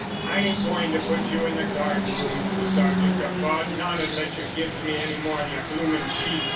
"I ain't going to put you in the guard room," the sergeant guffawed, "not unless you gives me any more of your blooming cheek.